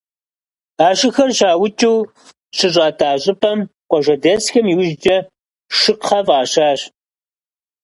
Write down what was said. А шыхэр щаукӏыу щыщӏатӏа щӏыпӏэм къуажэдэсхэм иужькӏэ «Шыкхъэ» фӏащащ.